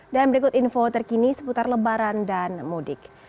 dan berikut info terkini seputar lebaran dan mudik